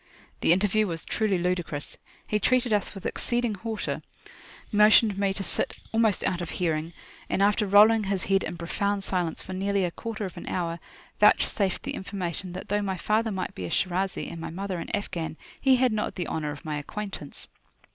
The interview was truly ludicrous. He treated us with exceeding hauteur, motioned me to sit almost out of hearing, and after rolling his head in profound silence for nearly a quarter of an hour, vouchsafed the information that though my father might be a Shirazi, and my mother an Afghan, he had not the honour of my acquaintance.